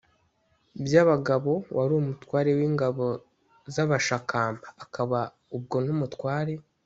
byabagabo wari umutware w’ingabo z’abashakamba; akaba ubwo n’umutware